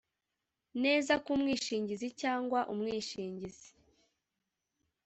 neza ko umwishingizi cyangwa umwishingizi